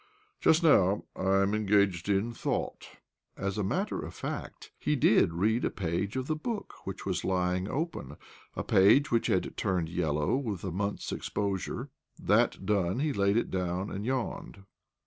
Just now I am engaged in thought." 58 OBLOMOV 59 As a matter of fact, he did read a page of the book which was lying open—a page which had turned yellow with a month's exposure. That done, he laid it down and yawned.